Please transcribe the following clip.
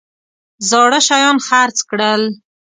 زاړه شیان خرڅ کړل.